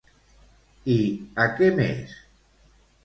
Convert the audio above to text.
I a què més?